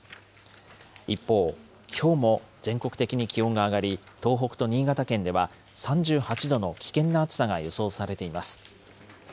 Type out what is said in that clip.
一方、きょうも全国的に気温が上がり、東北と新潟県では、３８度の危険な暑さが予想されています。